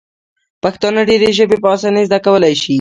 پښتانه ډیري ژبي په اسانۍ زده کولای سي.